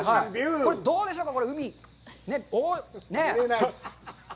これ、どうでしょうか。